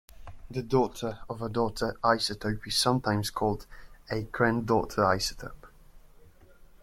The daughter of a daughter isotope is sometimes called a "granddaughter isotope".